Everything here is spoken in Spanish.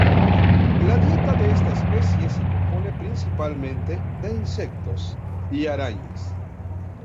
La dieta de esta especie se compone principalmente de insectos y arañas.